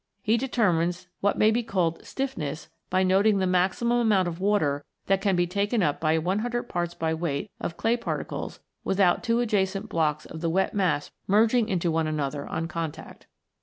He determines what may be called " stiffness " by noting the maximum amount of water that can be taken up by 100 parts by weight of clay particles without two adjacent blocks of the wet mass merging into one another on contact.